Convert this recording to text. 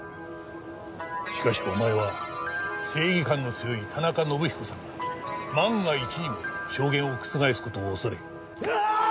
しかしお前は正義感の強い田中伸彦さんが万が一にも証言を覆す事を恐れ。